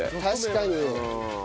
確かに。